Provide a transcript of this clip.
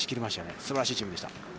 すばらしいチームでした。